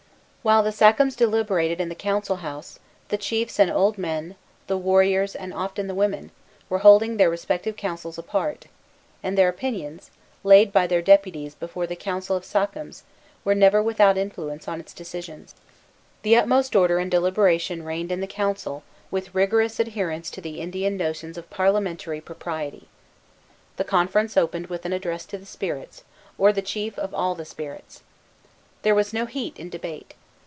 While the sachems deliberated in the council house, the chiefs and old men, the warriors, and often the women, were holding their respective councils apart; and their opinions, laid by their deputies before the council of sachems, were never without influence on its decisions. The utmost order and deliberation reigned in the council, with rigorous adherence to the Indian notions of parliamentary propriety. The conference opened with an address to the spirits, or the chief of all the spirits. There was no heat in debate.